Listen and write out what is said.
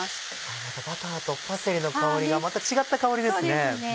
あぁバターとパセリの香りがまた違った香りですね。